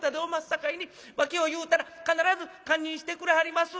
さかいに訳を言うたら必ず堪忍してくれはります。